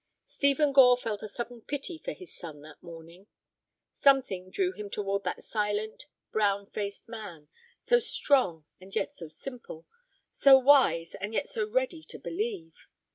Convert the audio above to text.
Stephen Gore felt a sudden pity for his son that morning. Something drew him toward that silent, brown faced man, so strong and yet so simple—so wise, and yet so ready to believe.